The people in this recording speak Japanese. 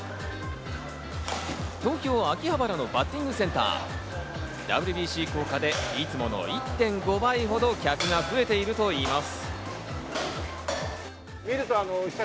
東京・秋葉原のバッティングセンター、ＷＢＣ効果で、いつもの１．５倍ほど客が増えているといいます。